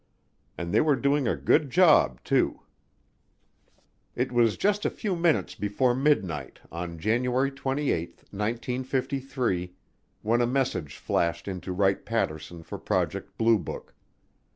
And they were doing a good job, too. It was just a few minutes before midnight on January 28, 1953, when a message flashed into Wright Patterson for Project Blue Book.